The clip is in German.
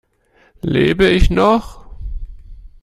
Lebe ich noch?